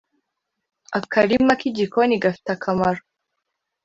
akarima ki gikoni gafite akamaro